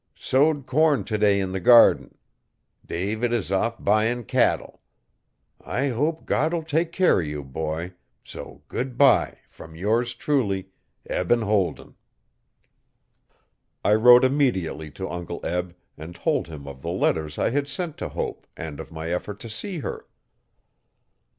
Sowed corn to day in the gardin. David is off byin catul. I hope God will take care uv you, boy, so goodbye from yours truly EBEN HOLDEN I wrote immediately to Uncle Eb and told him of the letters I had sent to Hope, and of my effort to see her.